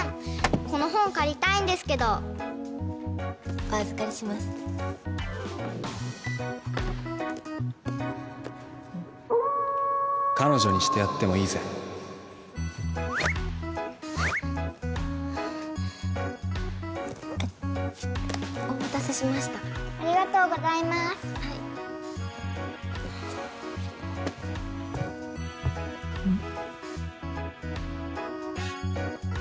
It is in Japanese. この本借りたいんですけどお預かりします彼女にしてやってもいいぜお待たせしましたありがとうございますはいうん？